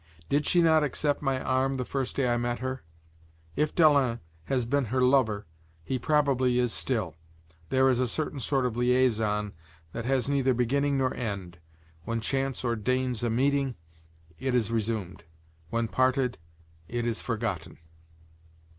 Did she not accept my arm, the first day I met her? If that Dalens has been her lover, he probably is still; there are certain liaisons that have neither beginning nor end; when chance ordains a meeting, it is resumed; when parted, it is forgotten.